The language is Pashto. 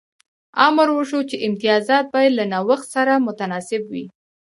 امر وشو چې امتیازات باید له نوښت سره متناسب وي.